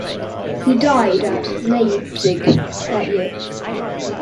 He died at Leipzig that year.